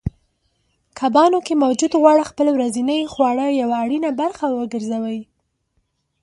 کبانو کې موجود غوړ خپل ورځنۍ خواړه یوه اړینه برخه وګرځوئ